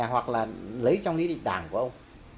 hoặc là lấy trong lý địch đảng của ông